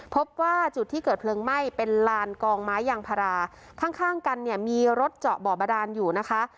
พบว่าจุดที่เกิดเพลิงไหม้เป็นลานกองไม้ยางพาราข้างข้างกันเนี่ยมีรถเจาะบ่อบาดานอยู่นะคะ